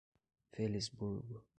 Felisburgo